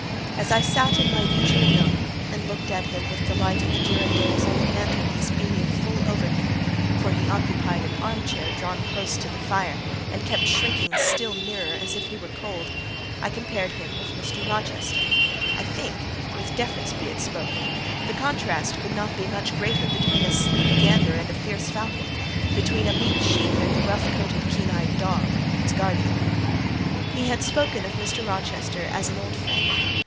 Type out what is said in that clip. As I sat in my usual nook, and looked at him with the light of the girandoles on the mantelpiece beaming full over him—for he occupied an arm chair drawn close to the fire, and kept shrinking still nearer, as if he were cold, I compared him with Mr. Rochester. I think (with deference be it spoken) the contrast could not be much greater between a sleek gander and a fierce falcon: between a meek sheep and the rough coated keen eyed dog, its guardian. He had spoken of Mr. Rochester as an old friend.